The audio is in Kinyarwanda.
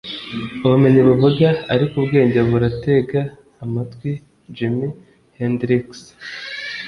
ubumenyi buvuga, ariko ubwenge buratega amatwi. - jimi hendrix